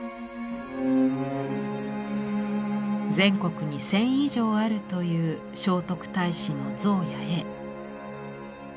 全国に１，０００以上あるという聖徳太子の像や絵。